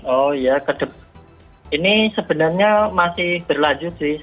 oh ya ini sebenarnya masih berlanjut sih